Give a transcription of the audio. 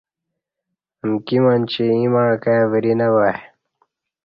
امکی منچی ایں مع کائی وری نہ وا آئی